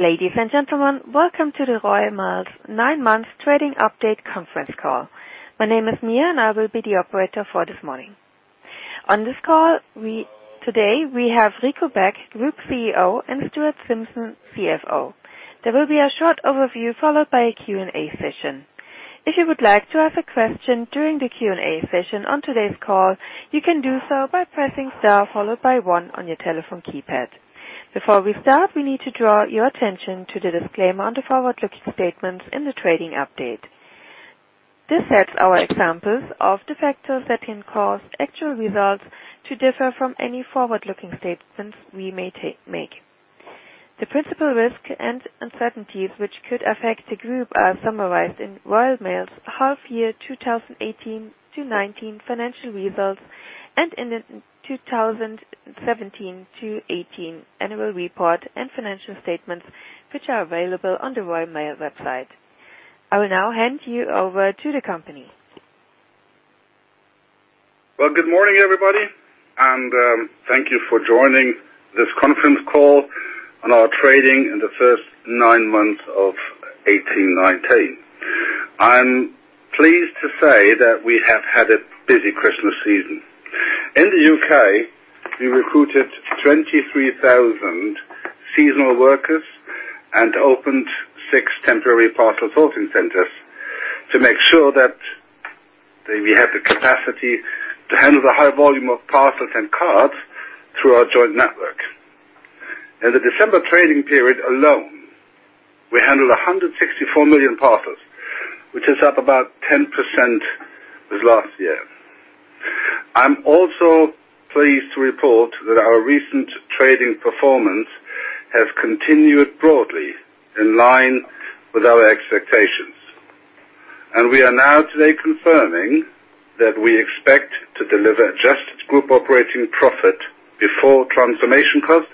Ladies and gentlemen, welcome to the Royal Mail's nine months trading update conference call. My name is Mia and I will be the operator for this morning. On this call today, we have Rico Back, Group CEO, and Stuart Simpson, CFO. There will be a short overview followed by a Q&A session. If you would like to ask a question during the Q&A session on today's call, you can do so by pressing star followed by one on your telephone keypad. Before we start, we need to draw your attention to the disclaimer on the forward-looking statements in the trading update. This sets out examples of the factors that can cause actual results to differ from any forward-looking statements we may make. The principal risk and uncertainties which could affect the group are summarized in Royal Mail's half year 2018-2019 financial results and in the 2017-2018 annual report and financial statements, which are available on the Royal Mail website. I will now hand you over to the company. Good morning, everybody, and thank you for joining this conference call on our trading in the first nine months of 2018-2019. I'm pleased to say that we have had a busy Christmas season. In the U.K., we recruited 23,000 seasonal workers and opened six temporary parcel sorting centers to make sure that we have the capacity to handle the high volume of parcels and cards through our joint network. In the December trading period alone, we handled 164 million parcels, which is up about 10% this last year. I'm also pleased to report that our recent trading performance has continued broadly in line with our expectations. We are now today confirming that we expect to deliver adjusted group operating profit before transformation cost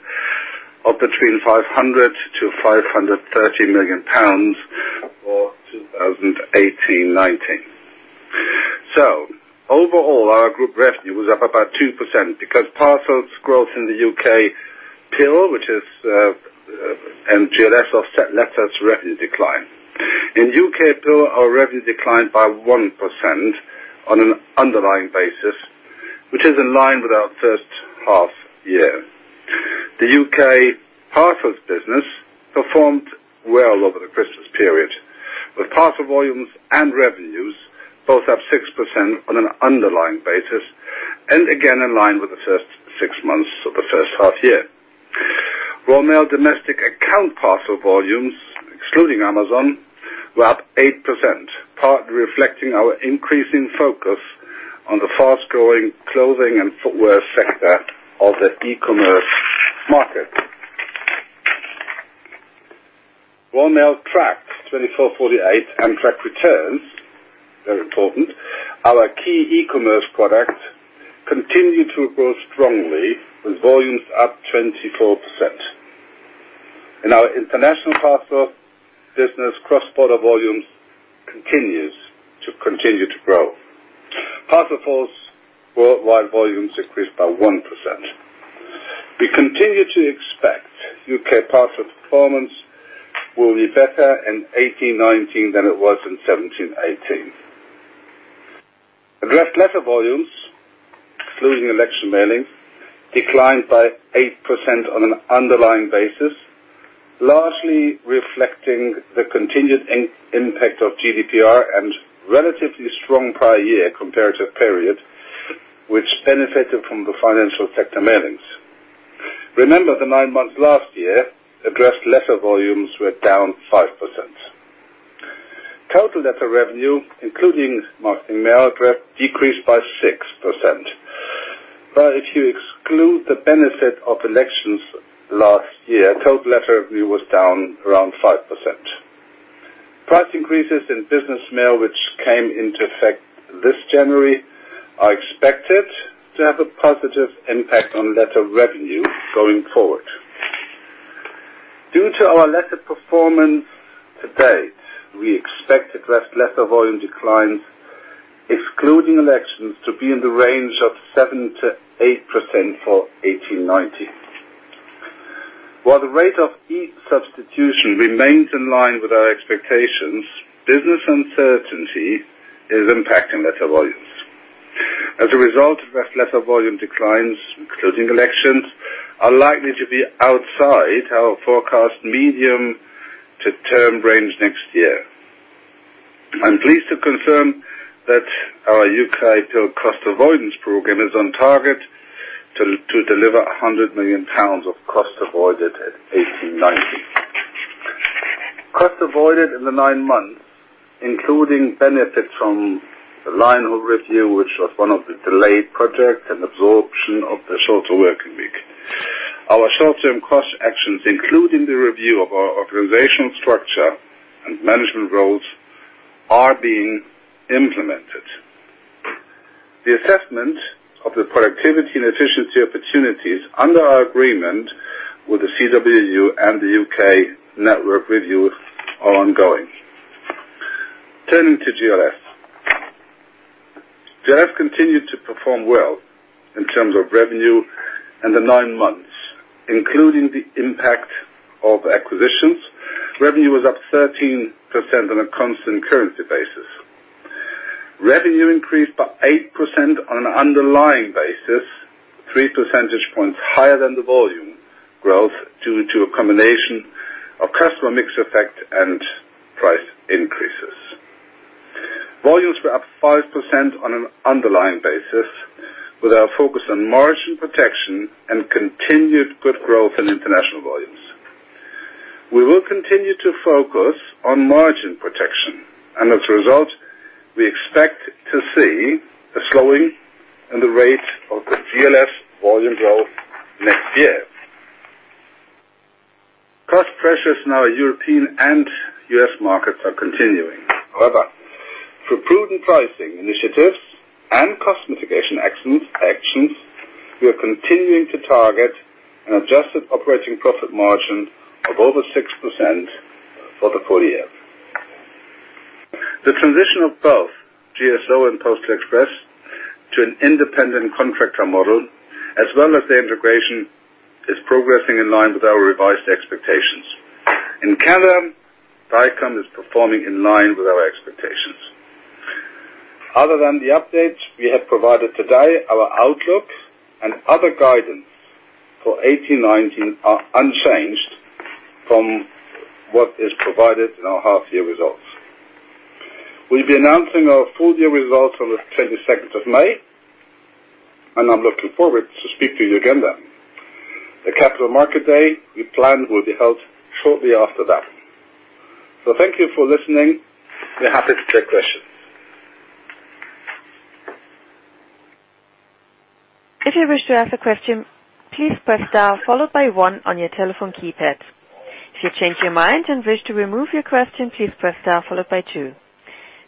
of between 500 million-530 million pounds for 2018-2019. Overall, our group revenue was up about 2% because parcels growth in the UKPIL, which is GLS offset letters revenue decline. In UKPIL, our revenue declined by 1% on an underlying basis, which is in line with our first half year. The U.K. parcels business performed well over the Christmas period, with parcel volumes and revenues both up 6% on an underlying basis, and again, in line with the first six months of the first half year. Royal Mail Domestic Account parcel volumes, excluding Amazon, were up 8%, partly reflecting our increasing focus on the fast-growing clothing and footwear sector of the e-commerce market. Royal Mail Tracked 24/48 and Tracked Returns, very important. Our key e-commerce product continued to grow strongly with volumes up 24%. In our international parcel business, cross-border volumes continues to grow. Parcelforce Worldwide volumes increased by 1%. We continue to expect U.K. parcel performance will be better in 2018-2019 than it was in 2017-2018. Addressed letter volumes, excluding election mailing, declined by 8% on an underlying basis, largely reflecting the continued impact of GDPR and relatively strong prior year comparative period, which benefited from the financial sector mailings. Remember, the nine months last year, addressed letter volumes were down 5%. Total letter revenue, including Marketing Mail, decreased by 6%. If you exclude the benefit of elections last year, total letter revenue was down around 5%. Price increases in Business Mail, which came into effect this January, are expected to have a positive impact on letter revenue going forward. Due to our letter performance to date, we expect addressed letter volume declines, excluding elections, to be in the range of 7%-8% for 2018-2019. While the rate of e-substitution remains in line with our expectations, business uncertainty is impacting letter volumes. As a result of less letter volume declines, excluding elections, are likely to be outside our forecast medium to term range next year. I'm pleased to confirm that our UKPIL cost avoidance program is on target to deliver 100 million pounds of cost avoided at 2018-2019. Cost avoided in the nine months, including benefits from the Lion Hill review, which was one of the delayed projects and absorption of the shorter working week. Our short-term cost actions, including the review of our organizational structure and management roles, are being implemented. The assessment of the productivity and efficiency opportunities under our agreement with the CWU and the U.K. network review are ongoing. Turning to GLS continued to perform well in terms of revenue in the nine months. Including the impact of acquisitions, revenue was up 13% on a constant currency basis. Revenue increased by 8% on an underlying basis, three percentage points higher than the volume growth, due to a combination of customer mix effect and price increases. Volumes were up 5% on an underlying basis with our focus on margin protection and continued good growth in international volumes. We will continue to focus on margin protection, and as a result, we expect to see a slowing in the rate of the GLS volume growth next year. Cost pressures in our European and U.S. markets are continuing. Through prudent pricing initiatives and cost mitigation actions, we are continuing to target an adjusted operating profit margin of over 6% for the full year. The transition of both GSO and Postal Express to an independent contractor model, as well as the integration, is progressing in line with our revised expectations. In Canada, Dicom is performing in line with our expectations. Other than the updates we have provided today, our outlook and other guidance for 2018-2019 are unchanged from what is provided in our half year results. We'll be announcing our full year results on the 22nd of May, and I'm looking forward to speak to you again then. The Capital Market Day we planned will be held shortly after that. Thank you for listening. We're happy to take questions. If you wish to ask a question, please press star followed by one on your telephone keypad. If you change your mind and wish to remove your question, please press star followed by two.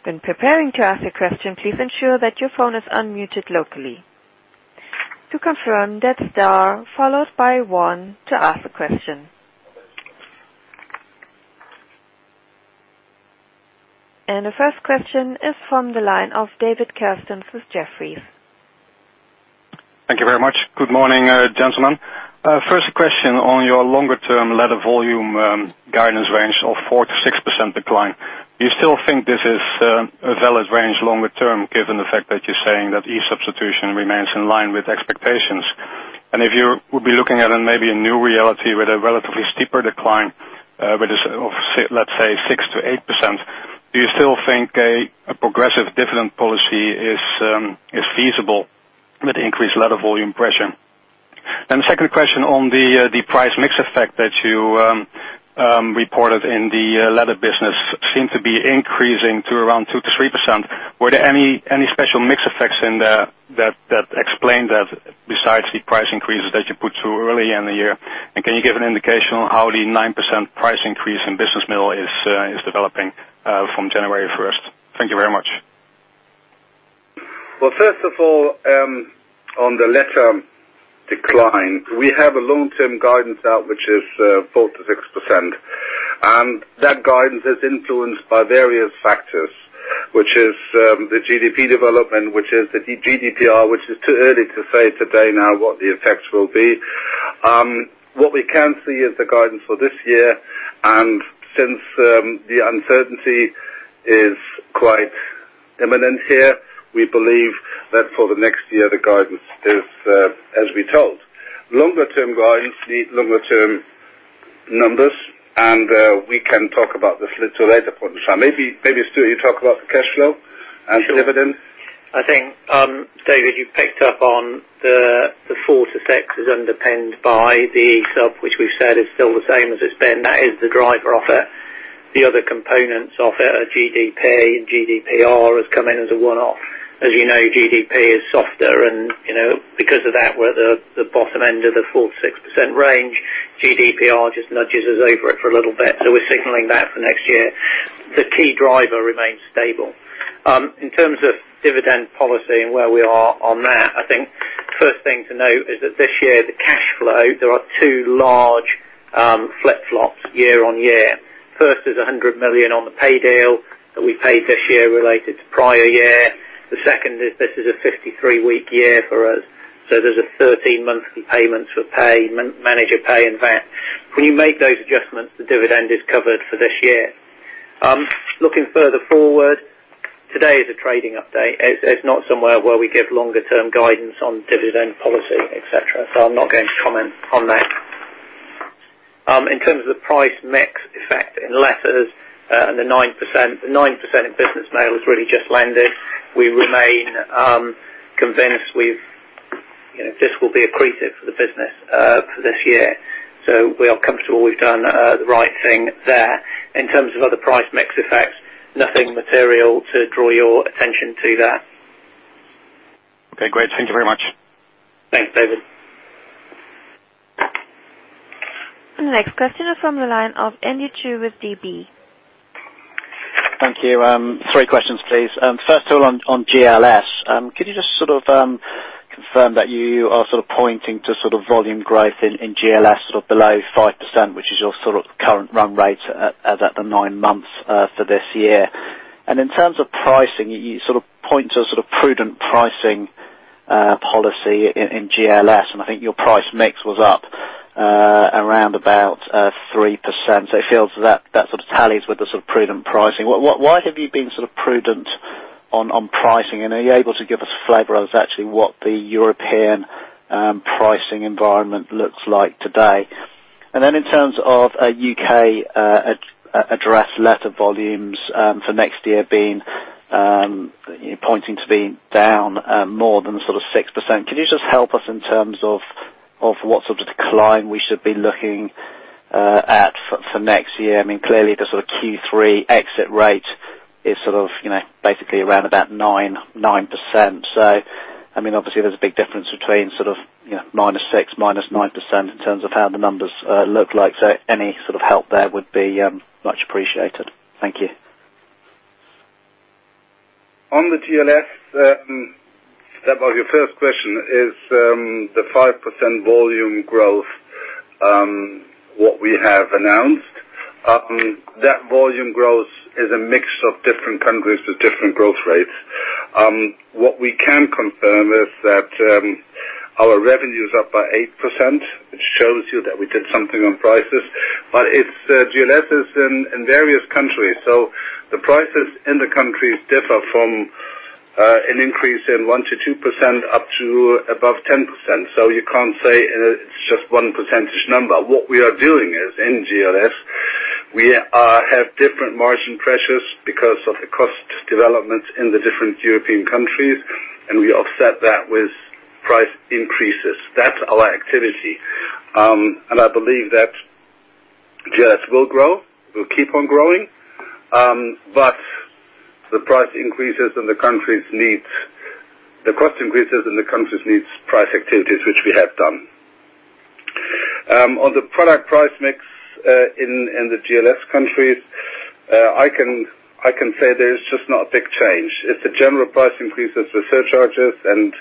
When preparing to ask a question, please ensure that your phone is unmuted locally. To confirm, that's star followed by one to ask a question. The first question is from the line of David Kerstens with Jefferies. Thank you very much. Good morning, gentlemen. First question on your longer term letter volume guidance range of 4%-6% decline. Do you still think this is a valid range longer term, given the fact that you're saying that e-substitution remains in line with expectations? If you would be looking at maybe a new reality with a relatively steeper decline, with let's say 6%-8%, do you still think a progressive dividend policy is feasible with increased letter volume pressure? The second question on the price mix effect that you reported in the letter business seemed to be increasing to around 2%-3%. Were there any special mix effects in there that explain that besides the price increases that you put through early in the year? Can you give an indication on how the 9% price increase in Business Mail is developing from January 1st? Thank you very much. First of all, on the letter decline, we have a long-term guidance out, which is 4%-6%. That guidance is influenced by various factors, which is the GDP development, which is the GDPR, which is too early to say today now what the effects will be. What we can see is the guidance for this year. Since the uncertainty is quite imminent here, we believe that for the next year, the guidance is as we told. Longer term guidance need longer term numbers, and we can talk about this little later point. Maybe, Stuart, you talk about the cash flow and dividend. Sure. I think, David, you picked up on the 4%-6% is underpinned by the e-sub, which we've said is still the same as it's been. That is the driver of it. The other components of it are GDP. GDPR has come in as a one-off. As you know, GDP is softer. Because of that, we're at the bottom end of the 4%-6% range. GDPR just nudges us over it for a little bit. We're signaling that for next year. The key driver remains stable. In terms of dividend policy and where we are on that, I think first thing to note is that this year, the cash flow, there are two large flip-flops year-on-year. First, there's 100 million on the pay deal that we paid this year related to prior year. The second is, this is a 53-week year for us. There's a 13-month payment for manager pay and VAT. When you make those adjustments, the dividend is covered for this year. Looking further forward, today is a trading update. It's not somewhere where we give longer term guidance on dividend policy, et cetera. I'm not going to comment on that. In terms of the price mix effect in letters and the 9%, the 9% in Business Mail has really just landed. We remain convinced this will be accretive for the business for this year. We are comfortable we've done the right thing there. In terms of other price mix effects, nothing material to draw your attention to there. Okay, great. Thank you very much. Thanks, David. The next question is from the line of Andy Chu with DB. Thank you. Three questions, please. First of all, on GLS. Could you just sort of confirm that you are pointing to volume growth in GLS below 5%, which is your current run rate at the nine months for this year. In terms of pricing, you point to prudent pricing policy in GLS, and I think your price mix was up around about 3%. It feels that sort of tallies with the prudent pricing. Why have you been prudent on pricing, and are you able to give us a flavor of actually what the European pricing environment looks like today? Then in terms of U.K. addressed letter volumes for next year pointing to be down more than 6%, can you just help us in terms of what sort of decline we should be looking at for next year? Clearly, the sort of Q3 exit rate is basically around about 9%. Obviously, there's a big difference between -6%, -9% in terms of how the numbers look like. Any sort of help there would be much appreciated. Thank you. On the GLS, about your first question is the 5% volume growth, what we have announced. That volume growth is a mix of different countries with different growth rates. What we can confirm is that our revenue is up by 8%, which shows you that we did something on prices. GLS is in various countries. The prices in the countries differ from an increase in 1%-2% up to above 10%. You can't say it's just one percentage number. What we are doing is, in GLS, we have different margin pressures because of the cost development in the different European countries, and we offset that with price increases. That's our activity. I believe that GLS will grow, will keep on growing. The price increases and the countries' needs, the cost increases and the countries' needs price activities, which we have done. On the product price mix in the GLS countries, I can say there is just not a big change. It's the general price increases with surcharges, and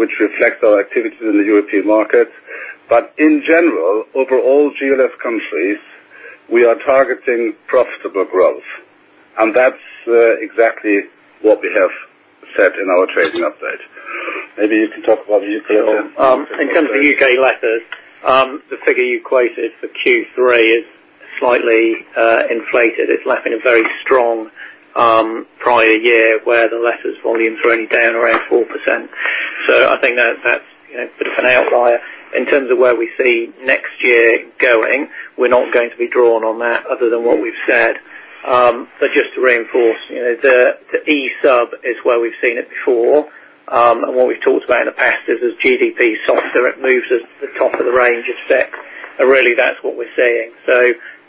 which reflects our activities in the European market. In general, over all GLS countries, we are targeting profitable growth. That's exactly what we have said in our trading update. Maybe you can talk about the U.K. letters. In terms of U.K. letters, the figure you quoted for Q3 is slightly inflated. It's lacking a very strong prior year where the letters volume is only down around 4%. I think that's a bit of an outlier. In terms of where we see next year going, we're not going to be drawn on that other than what we've said. Just to reinforce, the eSub is where we've seen it before. What we've talked about in the past is as GDP softer, it moves us to the top of the range as set. Really that's what we're seeing.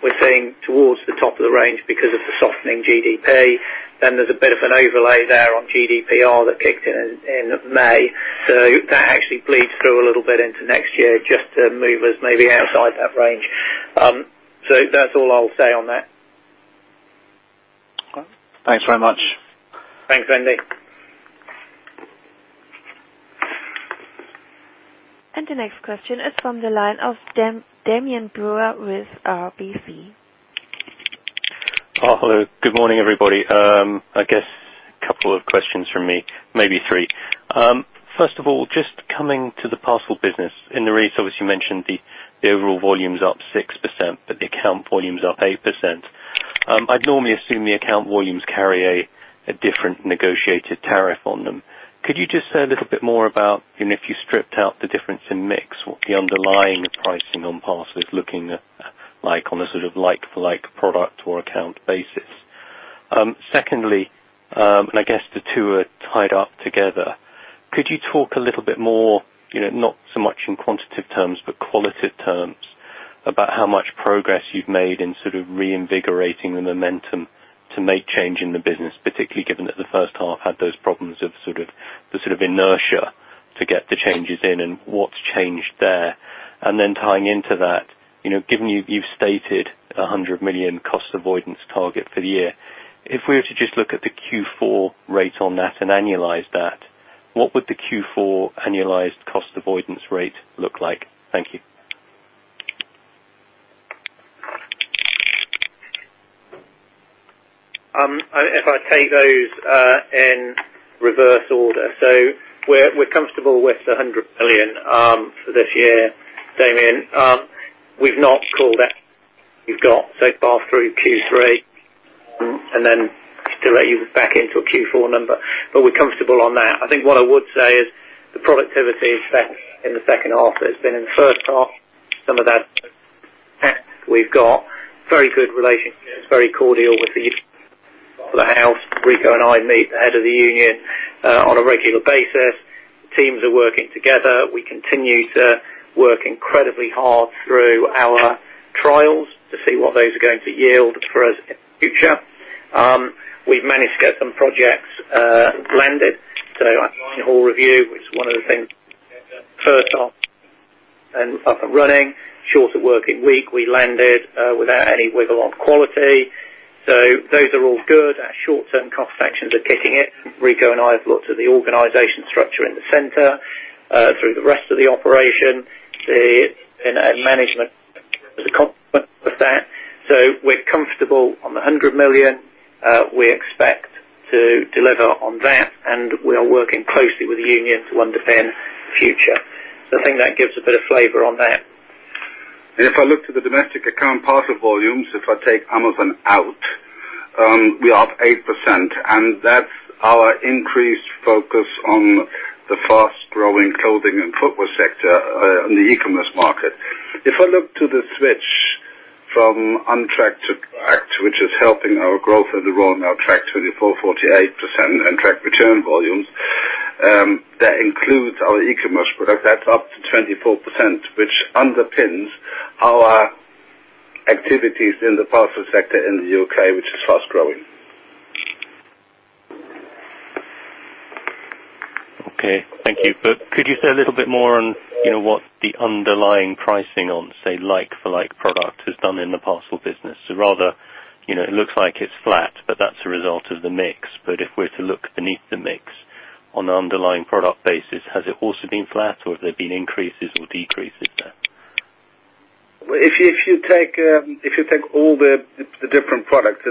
We're seeing towards the top of the range because of the softening GDP. There's a bit of an overlay there on GDPR that kicked in in May. That actually bleeds through a little bit into next year just to move us maybe outside that range. That's all I'll say on that. Thanks very much. Thanks, Andy. The next question is from the line of Damian Brewer with RBC. Hello. Good morning, everybody. I guess a couple of questions from me, maybe three. First of all, just coming to the parcel business. In the release, obviously, you mentioned the overall volume's up 6%, but the account volume's up 8%. I'd normally assume the account volumes carry a different negotiated tariff on them. Could you just say a little bit more about, if you stripped out the difference in mix, what the underlying pricing on parcels looking like on a sort of like-for-like product or account basis? Secondly, I guess the two are tied up together, could you talk a little bit more, not so much in quantitative terms, but qualitative terms about how much progress you've made in sort of reinvigorating the momentum to make change in the business, particularly given that the first half had those problems of the sort of inertia to get the changes in and what's changed there? Then tying into that, given you've stated 100 million cost avoidance target for the year, if we were to just look at the Q4 rate on that and annualize that, what would the Q4 annualized cost avoidance rate look like? Thank you. If I take those in reverse order. We're comfortable with the 100 million for this year, Damian. We've not called that. We've got so far through Q3, and then to let you back into a Q4 number. We're comfortable on that. I think what I would say is the productivity is set in the second half. It's been in the first half. Some of that we've got very good relationships, very cordial with the house. Rico and I meet the head of the union on a regular basis. Teams are working together. We continue to work incredibly hard through our trials to see what those are going to yield for us in the future. We've managed to get some projects blended. Our annual review, which is one of the things first half and up and running. Shorter working week. We landed without any wiggle on quality. Those are all good. Our short-term cost actions are kicking in. Rico and I have looked at the organization structure in the center, through the rest of the operation, and management as a complement of that. We're comfortable on the 100 million. We expect to deliver on that. We are working closely with the union to understand the future. I think that gives a bit of flavor on that. If I look to the domestic account parcel volumes, if I take Amazon out, we're up 8%. That's our increased focus on the fast-growing clothing and footwear sector on the e-commerce market. If I look to the switch from untracked to tracked, which is helping our growth as a Royal Mail tracked 24,48% untracked return volumes. That includes our e-commerce product. That's up to 24%, which underpins our activities in the parcel sector in the U.K., which is fast-growing. Okay. Thank you. Could you say a little bit more on what the underlying pricing on, say, like for like product has done in the parcel business? Rather, it looks like it's flat, but that's a result of the mix. If we're to look beneath the mix on an underlying product basis, has it also been flat, or have there been increases or decreases there? If you take all the different products,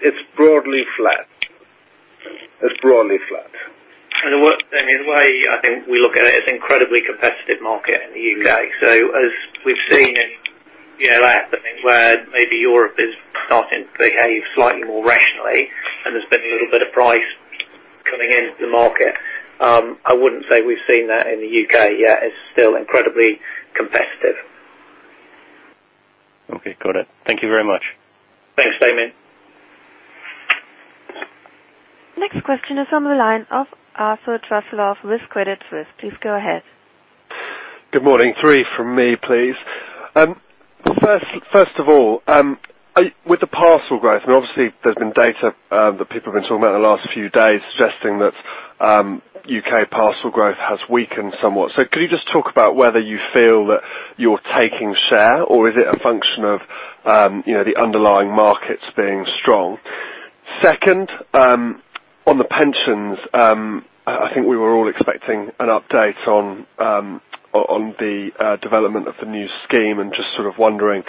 it's broadly flat. In a way, I think we look at it as incredibly competitive market in the U.K. As we've seen in happening where maybe Europe is starting to behave slightly more rationally, there's been a little bit of price coming into the market. I wouldn't say we've seen that in the U.K. yet. It's still incredibly competitive. Okay. Got it. Thank you very much. Thanks, Damian. Next question is on the line of Arthur Truslove with Credit Suisse. Please go ahead. Good morning. Three from me, please. First of all, with the parcel growth, obviously there's been data that people have been talking about in the last few days suggesting that U.K. parcel growth has weakened somewhat. Could you just talk about whether you feel that you're taking share, or is it a function of the underlying markets being strong? Second, on the pensions, I think we were all expecting an update on the development of the new scheme and just sort of wondering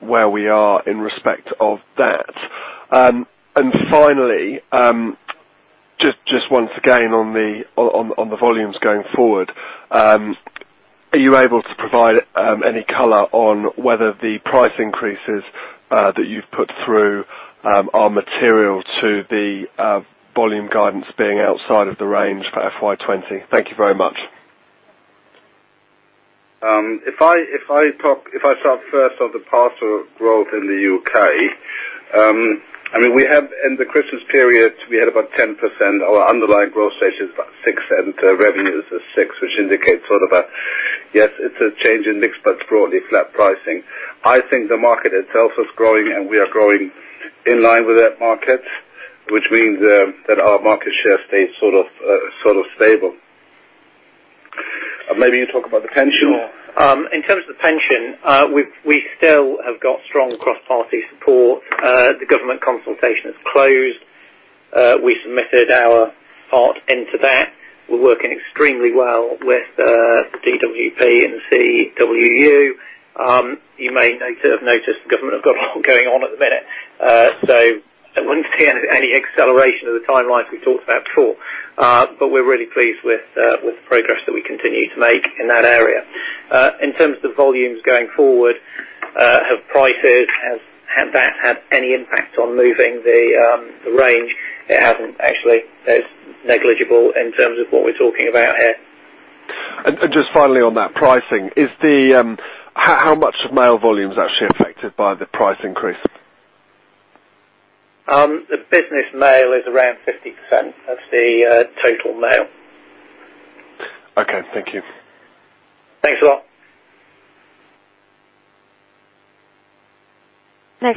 where we are in respect of that. Finally, just once again on the volumes going forward. Are you able to provide any color on whether the price increases that you've put through are material to the volume guidance being outside of the range for FY 2020? Thank you very much. If I start first on the parcel growth in the U.K. In the Christmas period, we had about 10%. Our underlying growth rate is about 6%. Revenues are 6%, which indicates sort of a, yes, it's a change in mix, but it's broadly flat pricing. The market itself is growing, and we are growing in line with that market, which means that our market share stays sort of stable. Maybe you talk about the pension. Sure. In terms of pension, we still have got strong cross-party support. The government consultation has closed. We submitted our part into that. We're working extremely well with the DWP and the CWU. You may have noticed the government have got a lot going on at the minute. I wouldn't see any acceleration of the timelines we talked about before. We're really pleased with the progress that we continue to make in that area. In terms of volumes going forward, have prices, has that had any impact on moving the range? It hasn't actually. It's negligible in terms of what we're talking about here. Just finally on that pricing. How much of mail volume is actually affected by the price increase? The Business Mail is around 50% of the total mail. Okay. Thank you. Next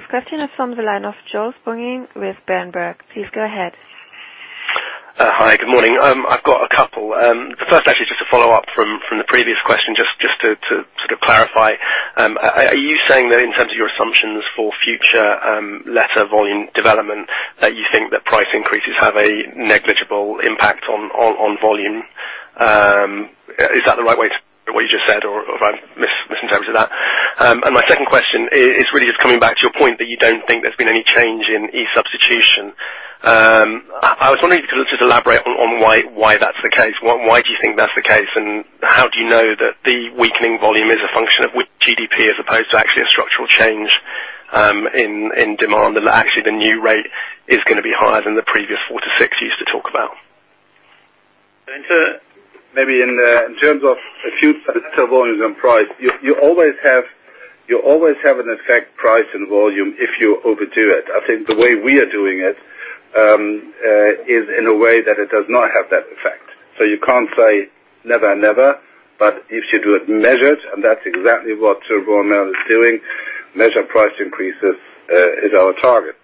question is from the line of Joel Spungin with Berenberg. Please go ahead. Hi, good morning. I've got a couple. The first actually is just a follow-up from the previous question, just to sort of clarify. Are you saying that in terms of your assumptions for future letter volume development, that you think that price increases have a negligible impact on volume? Is that the right way to what you just said, or have I misinterpreted that? My second question really is coming back to your point that you don't think there's been any change in e-substitution. I was wondering if you could just elaborate on why that's the case. Why do you think that's the case, and how do you know that the weakening volume is a function of GDP as opposed to actually a structural change in demand? That actually the new rate is going to be higher than the previous four to six years to talk about. Maybe in terms of future volumes and price, you always have an effect, price and volume, if you overdo it. I think the way we are doing it is in a way that it does not have that effect. You can't say never, but if you do it measured, and that's exactly what Royal Mail is doing, measured price increases is our target.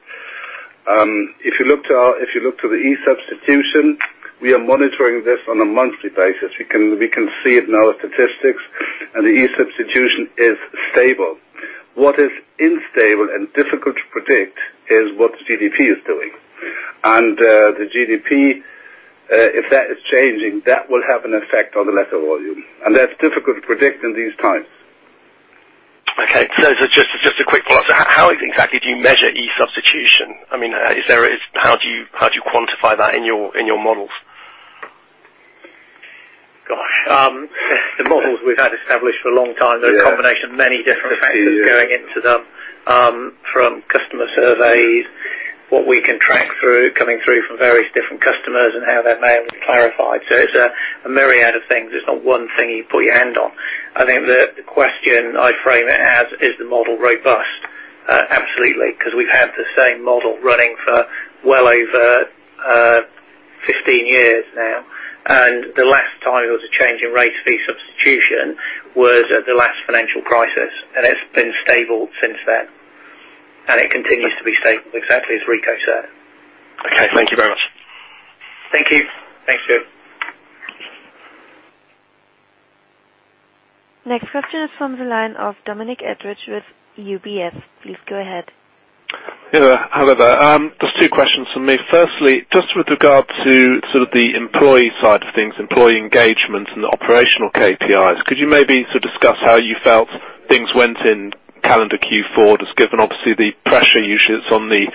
If you look to the e-substitution, we are monitoring this on a monthly basis. We can see it in our statistics, the e-substitution is stable. What is unstable and difficult to predict is what the GDP is doing. The GDP, if that is changing, that will have an effect on the letter volume. That's difficult to predict in these times. Okay. Just a quick follow-up. How exactly do you measure e-substitution? How do you quantify that in your models? The models we've had established for a long time. Yeah. There are a combination of many different factors going into them, from customer surveys, what we can track through, coming through from various different customers, and how that may have been clarified. It's a myriad of things. It's not one thing you put your hand on. I think the question I frame it as, is the model robust? Absolutely, because we've had the same model running for well over 15 years now. The last time there was a change in rate e-substitution was at the last financial crisis, and it's been stable since then, and it continues to be stable exactly as Rico said. Okay. Thank you very much. Next question is from the line of Dominic Edridge with UBS. Please go ahead. Yeah. Hello there. Just two questions from me. Firstly, just with regard to sort of the employee side of things, employee engagement and the operational KPIs, could you maybe sort of discuss how you felt things went in calendar Q4, just given obviously the pressure you should on the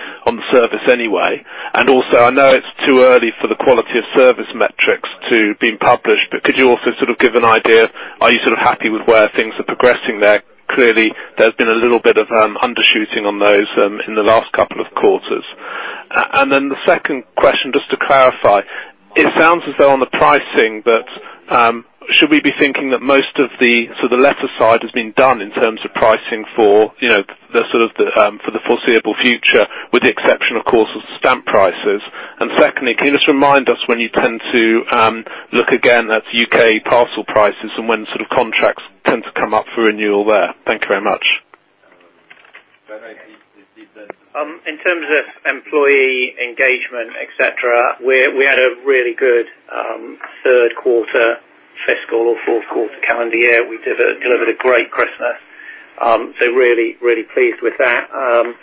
service anyway? Also, I know it's too early for the quality of service metrics to be published, but could you also sort of give an idea, are you sort of happy with where things are progressing there? Clearly, there's been a little bit of undershooting on those in the last couple of quarters. Then the second question, just to clarify. It sounds as though on the pricing that, should we be thinking that most of the letter side has been done in terms of pricing for the foreseeable future, with the exception, of course, of stamp prices? Secondly, can you just remind us when you tend to look again at U.K. parcel prices and when contracts tend to come up for renewal there? Thank you very much. In terms of employee engagement, et cetera, we had a really good third quarter fiscal or fourth quarter calendar year. We delivered a great Christmas. Really, really pleased with that. Our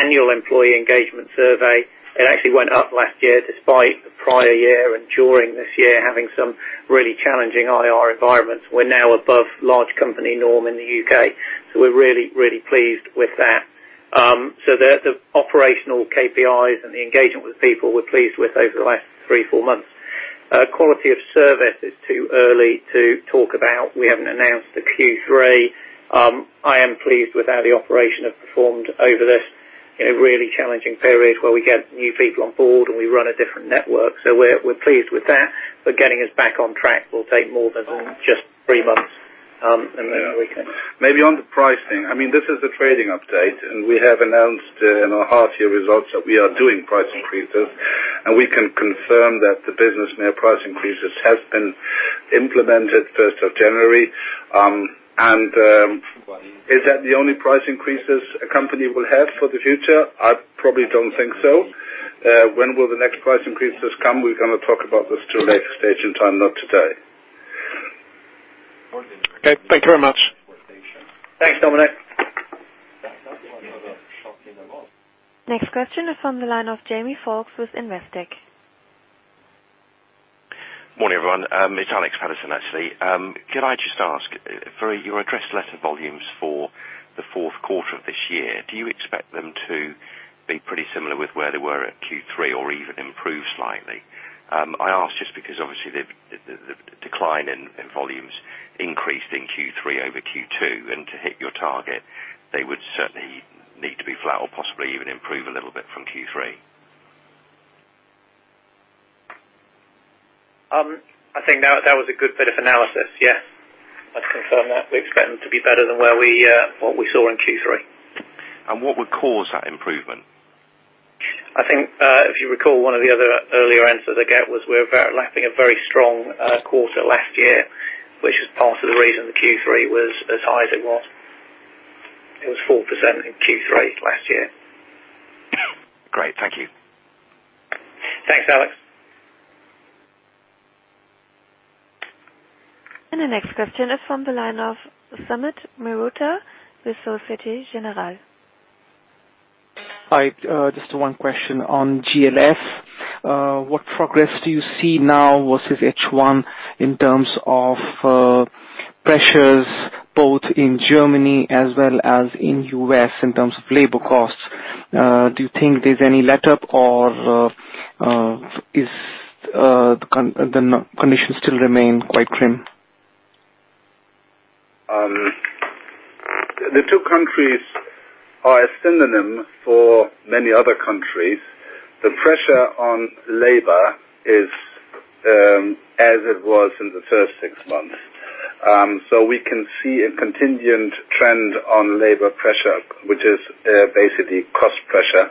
annual employee engagement survey, it actually went up last year despite the prior year and during this year having some really challenging IR environments. We're now above large company norm in the U.K., so we're really, really pleased with that. The operational KPIs and the engagement with people we're pleased with over the last three, four months. Quality of service is too early to talk about. We haven't announced the Q3. I am pleased with how the operation have performed over this really challenging period where we get new people on board and we run a different network. We're pleased with that, but getting us back on track will take more than just three months. Maybe on the pricing. This is a trading update. We have announced in our half year results that we are doing price increases. We can confirm that the business net price increases has been implemented first of January. Is that the only price increases a company will have for the future? I probably don't think so. When will the next price increases come? We're going to talk about this at a later stage in time, not today. Okay. Thank you very much. Thanks, Dominic. Next question is from the line of Jamie Fox with Investec. Morning, everyone. It's Alex Paterson, actually. Could I just ask, for your addressed letter volumes for the fourth quarter of this year, do you expect them to be pretty similar with where they were at Q3 or even improve slightly? I ask just because obviously the decline in volumes increased in Q3 over Q2. To hit your target, they would certainly need to be flat or possibly even improve a little bit from Q3. I think that was a good bit of analysis. Yes. I'd confirm that. We expect them to be better than what we saw in Q3. What would cause that improvement? I think, if you recall, one of the other earlier answers I gave was we're lapping a very strong quarter last year, which is part of the reason the Q3 was as high as it was. It was 4% in Q3 last year. Great. Thank you. Thanks, Alex. The next question is from the line of Sumit Mehrotra with Société Générale. Hi. Just one question on GLS. What progress do you see now versus H1 in terms of pressures both in Germany as well as in U.S. in terms of labor costs? Do you think there's any letup, or do the conditions still remain quite grim? The two countries are a synonym for many other countries. The pressure on labor is as it was in the first six months. We can see a contingent trend on labor pressure, which is basically cost pressure,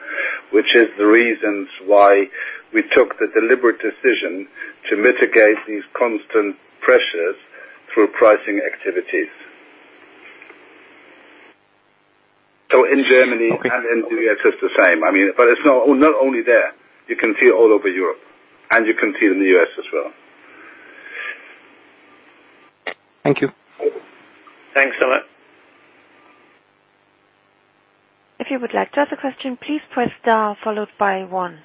which is the reasons why we took the deliberate decision to mitigate these constant pressures through pricing activities. In Germany and in the U.S., it's the same. It's not only there. You can see it all over Europe, and you can see it in the U.S. as well. Thank you. Thanks so much. If you would like to ask a question, please press star followed by one.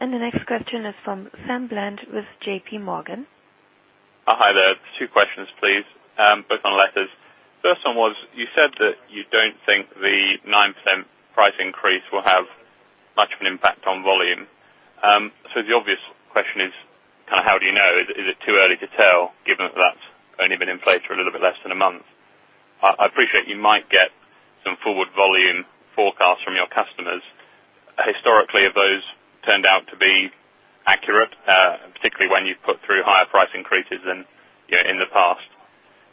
The next question is from Sam Bland with JPMorgan. Hi there. Two questions, please, both on letters. First one was, you said that you don't think the 9% price increase will have much of an impact on volume. The obvious question is how do you know? Is it too early to tell, given that that's only been in place for a little bit less than a month? I appreciate you might get some forward volume forecasts from your customers. Historically, have those turned out to be accurate, particularly when you've put through higher price increases than in the past?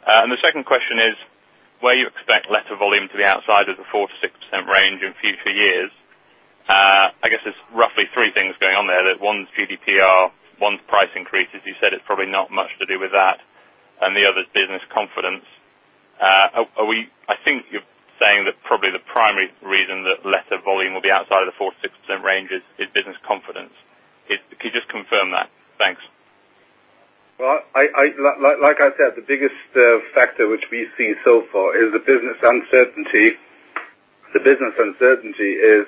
The second question is, where you expect letter volume to be outside of the 4%-6% range in future years, I guess there's roughly three things going on there. One's GDPR, one's price increases. You said it's probably not much to do with that, and the other's business confidence. I think you're saying that probably the primary reason that letter volume will be outside of the 4%-6% range is business confidence. Could you just confirm that? Thanks. Well, like I said, the biggest factor which we see so far is the business uncertainty. The business uncertainty has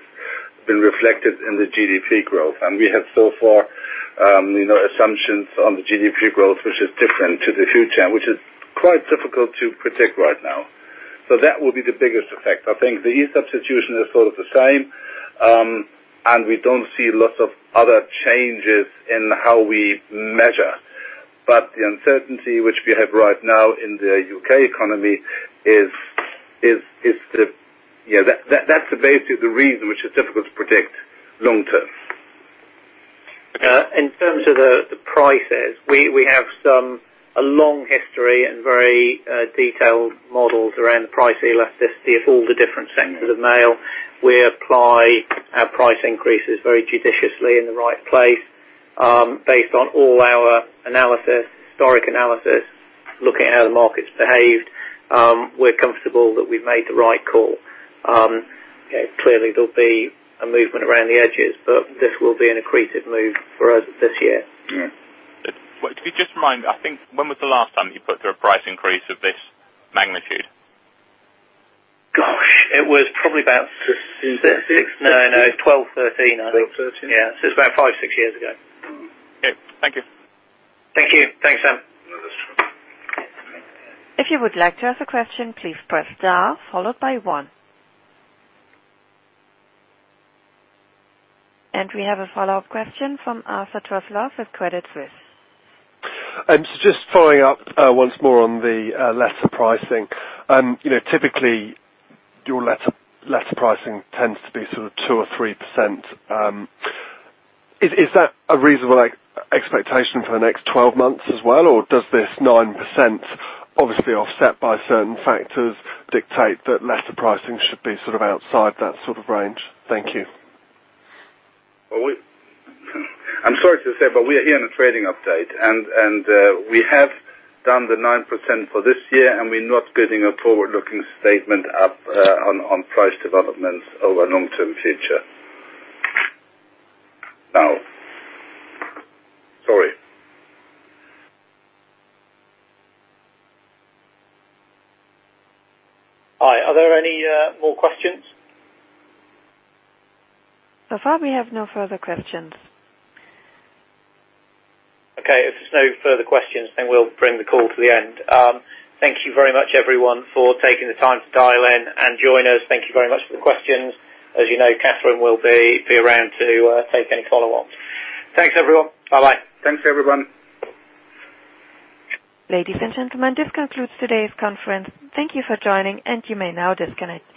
been reflected in the GDP growth. We have so far assumptions on the GDP growth, which is different to the future, and which is quite difficult to predict right now. That will be the biggest effect. I think the e-substitution is sort of the same, and we don't see lots of other changes in how we measure. The uncertainty which we have right now in the U.K. economy, that's basically the reason which is difficult to predict long term. In terms of the prices, we have a long history and very detailed models around the price elasticity of all the different sectors of mail. We apply our price increases very judiciously in the right place. Based on all our analysis, historic analysis, looking at how the market's behaved, we're comfortable that we've made the right call. Clearly, there'll be a movement around the edges, but this will be an accretive move for us this year. Could you just remind me, I think, when was the last time you put through a price increase of this magnitude? Gosh, it was probably about? Six. No. 2012, 2013, I think. 2012, 2013. Yeah. It's about five, six years ago. Okay. Thank you. Thank you. Thanks, Sam. If you would like to ask a question, please press star followed by one. We have a follow-up question from Arthur Truslove with Credit Suisse. Just following up once more on the letter pricing. Typically, your letter pricing tends to be sort of 2% or 3%. Is that a reasonable expectation for the next 12 months as well, or does this 9%, obviously offset by certain factors, dictate that letter pricing should be outside that sort of range? Thank you. I'm sorry to say, we are here on a trading update. We have done the 9% for this year, we're not giving a forward-looking statement up on price developments over long-term future. No. Sorry. Hi. Are there any more questions? Far, we have no further questions. Okay. If there's no further questions, we'll bring the call to the end. Thank you very much, everyone, for taking the time to dial in and join us. Thank you very much for the questions. As you know, Catherine will be around to take any follow-ups. Thanks, everyone. Bye-bye. Thanks, everyone. Ladies and gentlemen, this concludes today's conference. Thank you for joining, you may now disconnect.